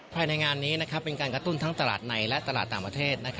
ภายในงานนี้เป็นการกระตุ้นทั้งตลาดในและตลาดต่างประเทศ